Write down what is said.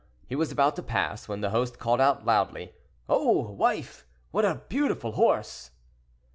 He was about to pass, when the host called out loudly—"Oh! wife, what a beautiful horse!"